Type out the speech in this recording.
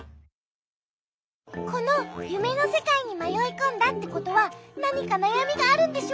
このゆめのせかいにまよいこんだってことはなにかなやみがあるんでしょ？